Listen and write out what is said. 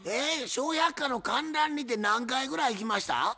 「笑百科」の観覧にて何回ぐらい来ました？